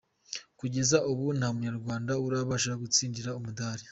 Kugeza ubu nta munyarwanda urabasha gutsindira umudali.